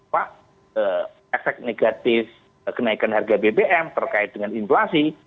pak efek negatif kenaikan harga bbm terkait dengan inflasi